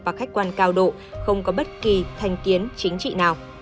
và khách quan cao độ không có bất kỳ thành kiến chính trị nào